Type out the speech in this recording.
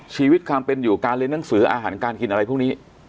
ชีวิตความเป็นอยู่การเรียนหนังสืออาหารการกินอะไรพวกนี้